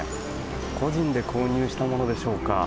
個人で購入したものでしょうか。